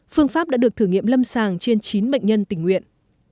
phương pháp đã được thử nghiệm lâm sàng trên chín bệnh nhân tình nguyện